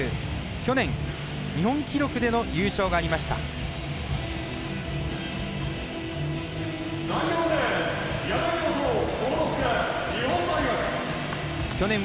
去年、日本記録での優勝がありました、松元。